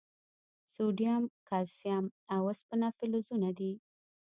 سوډیم، کلسیم، او اوسپنه فلزونه دي.